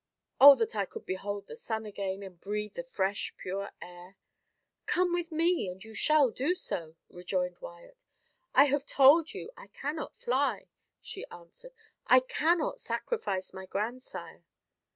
Oh that I could behold the sun again, and breathe the fresh, pure air! "Come with me, and you shall do so," rejoined Wyat. "I have told you I cannot fly," she answered. "I cannot sacrifice my grandsire."